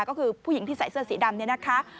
ก็คือผู้หญิงที่ใส่เสื้อสีดำเนี่ยนะคะ